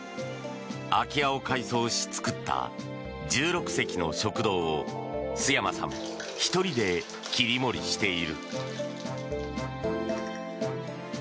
空き家を改装し、作った１６席の食堂を陶山さん１人で切り盛りしている。